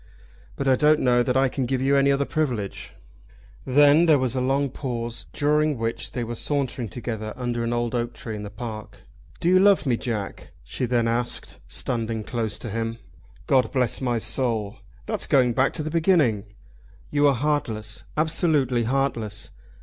"But I don't know that I can give you any other privilege." Then there was a long pause during which they were sauntering together under an old oak tree in the park. "Do you love me, Jack?" she then asked, standing close up to him. "God bless my soul! That's going back to the beginning." "You are heartless, absolutely heartless.